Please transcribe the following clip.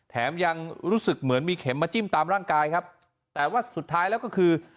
ยังรู้สึกเหมือนมีเข็มมาจิ้มตามร่างกายครับแต่ว่าสุดท้ายแล้วก็คือ